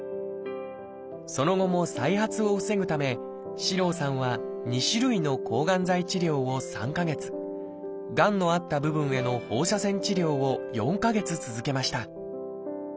その後も再発を防ぐため四郎さんは２種類の抗がん剤治療を３か月がんのあった部分への放射線治療を４か月続けました。